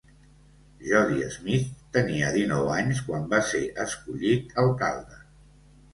Jody Smith tenia dinou anys quan va ser escollit alcalde.